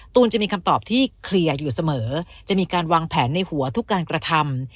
จะมีคำตอบที่เคลียร์อยู่เสมอจะมีการวางแผนในหัวทุกการกระทำ